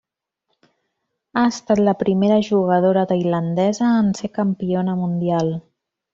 Ha estat la primera jugadora tailandesa en ser campiona mundial.